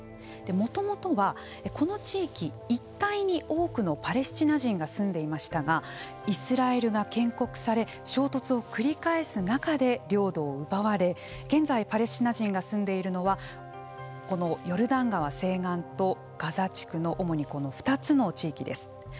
もともとは、この地域一帯に多くのパレスチナ人が住んでいましたがイスラエルが建国され衝突を繰り返す中で領土を奪われ現在、パレスチナ人が住んでいるのはこのヨルダン川西岸とガザ地区の主に、この２つの地域です。